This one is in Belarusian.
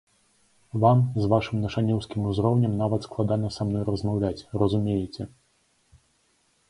Вам, з вашым нашаніўскім узроўнем, нават складана са мной размаўляць, разумееце.